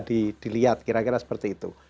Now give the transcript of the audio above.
dilihat kira kira seperti itu